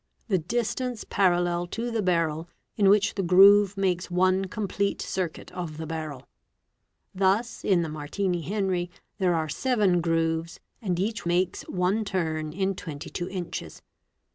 the distance parallel to the barrel in which the groove makes one complete circuit: of the barrel; thus in the Martini Henry there are seven grooves and each makes one turn in 22 inches.